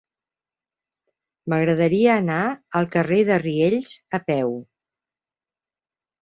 M'agradaria anar al carrer de Riells a peu.